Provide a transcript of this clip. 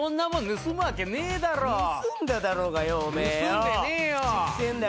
盗んだだろうがよおめぇよ！